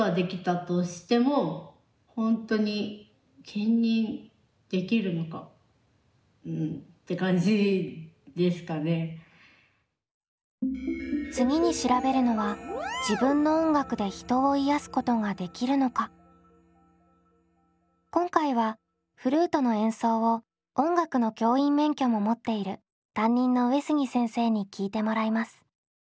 インタビューをしてみてえやっぱ次に調べるのは今回はフルートの演奏を音楽の教員免許も持っている担任の上杉先生に聴いてもらいます。